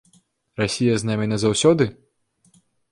Расія з намі назаўсёды?